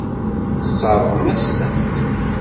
Tesseṛɣem-as-tent.